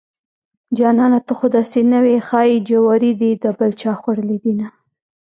جانانه ته خوداسې نه وې ښايي جواري دې دبل چاخوړلي دينه